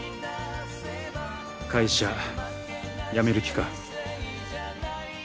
会社辞める気か？